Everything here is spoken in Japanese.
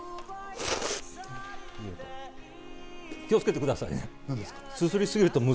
気をつけてくださいね。